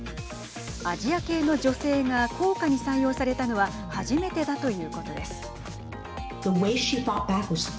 アジア系の女性が硬貨に採用されたのは初めてだということです。